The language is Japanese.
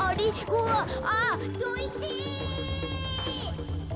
うわっあっどいて！